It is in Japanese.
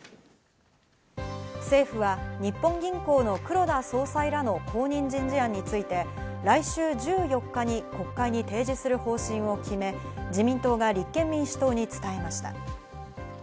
政府は日本銀行の黒田総裁らの後任人事案について、来週１４日に国会に提示する方針を決め、自民党が立憲民主党に伝えました。